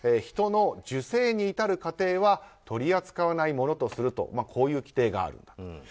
人の受精に至る過程は取り扱わないものとするとこういう規定があるんだと。